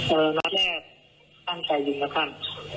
เออนัดแรกตั้งใจยิงนะครับ